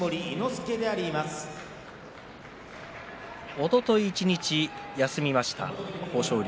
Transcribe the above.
おととい一日休みました、豊昇龍。